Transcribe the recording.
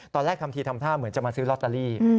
ตอนแรกทำทีทำท่าเหมือนจะมาซื้อลอตเตอรี่